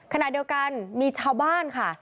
ขณะเดียวกันมีชาวบ้านค่ะ